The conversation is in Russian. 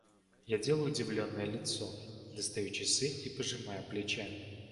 Я делаю удивленное лицо, достаю часы и пожимаю плечами.